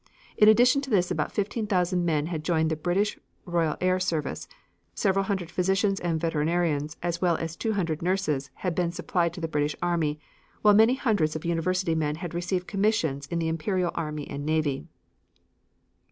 In addition to this about 15,000 men had joined the British Royal Air Service, several hundred physicians and veterinarians, as well as 200 nurses, had been supplied to the British army, while many hundreds of university men had received commissions in the imperial army and navy.